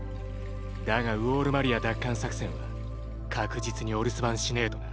だがウォール・マリア奪還作戦は確実にお留守番しねぇとな。